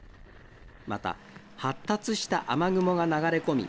また発達した雨雲が流れ込み